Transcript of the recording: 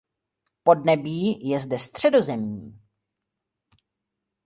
Podnebí je zde středozemní.